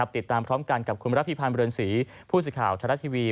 ติดตามพร้อมกันกับคุณรัฐพิพันธ์เบือนศรีผู้สิทธิ์ข่าวธรรมดาทีวี